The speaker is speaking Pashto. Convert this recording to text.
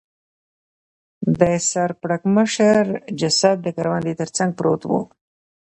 د سر پړکمشر جسد د کروندې تر څنګ پروت و.